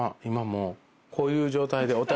今もうこういう状態で。